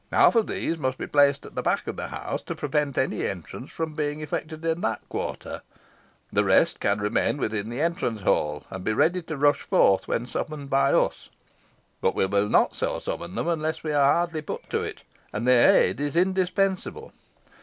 Half of these must be placed at the back of the house to prevent any entrance from being effected in that quarter. The rest can remain within the entrance hall, and be ready to rush forth when summoned by us; but we will not so summon them unless we are hardly put to it, and their aid is indispensable.